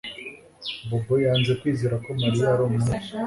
Bobo yanze kwizera ko Mariya ari umwere